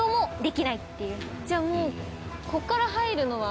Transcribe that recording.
じゃあもう。